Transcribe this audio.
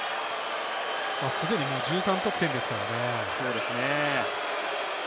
すでに１３得点ですからね。